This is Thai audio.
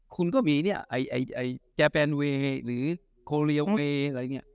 คุณก็มีเนี้ยไอไอไอเจแปนเวหรือโคเรียวเวอะไรเนี้ย